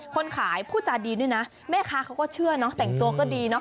คนขายพูดจาดีด้วยนะแม่ค้าเขาก็เชื่อเนอะแต่งตัวก็ดีเนาะ